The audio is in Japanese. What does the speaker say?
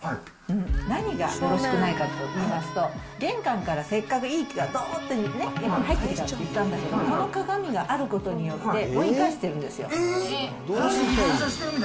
何がよろしくないかといいますと、玄関からせっかくいい気がどーっと入ってくるって言ったんだけど、この鏡があることによって、追い返してるんですよ。